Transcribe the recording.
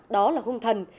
đó là hung thần